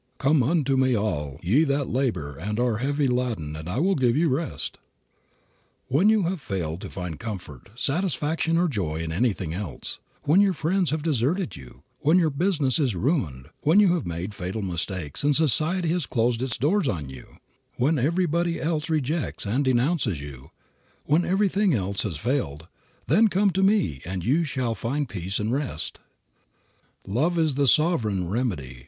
'Come unto me all ye that labor and are heavy laden and I will give you rest.' When you have failed to find comfort, satisfaction or joy in anything else, when your friends have deserted you, when your business is ruined, when you have made fatal mistakes and society has closed its doors on you, when everybody else rejects and denounces you, when everything else has failed, then come to me and you shall find peace and rest." Love is the sovereign remedy.